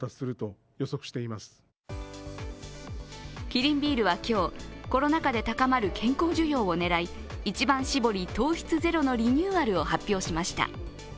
キリンビールは今日コロナ禍で高まる健康需要を狙い一番搾り糖質ゼロのリニューアルを発表しました。